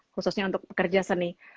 khususnya untuk pekerja seni